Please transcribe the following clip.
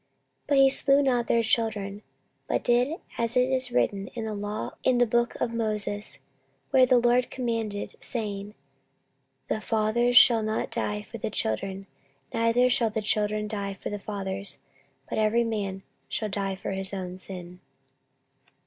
14:025:004 But he slew not their children, but did as it is written in the law in the book of Moses, where the LORD commanded, saying, The fathers shall not die for the children, neither shall the children die for the fathers, but every man shall die for his own sin.